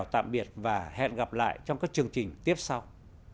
tạm biệt và hẹn gặp lại trong các chương trình tiếp sau